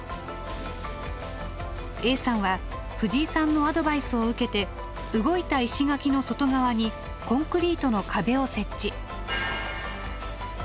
Ａさんは藤井さんのアドバイスを受けて動いた石垣の外側にコンクリートの壁を設置。